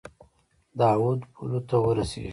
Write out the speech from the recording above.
د اود پولو ته ورسیږي.